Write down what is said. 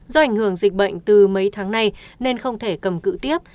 do ảnh hưởng dịch bệnh từ mấy tháng nay nên không thể cầm cự tiếp